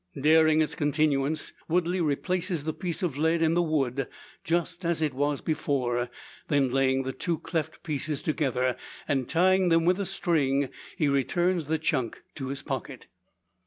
Daring its continuance, Woodley replaces the piece of lead in the wood, just as it was before; then laying the two cleft pieces together, and tying them with a string, he returns the chunk to his pocket.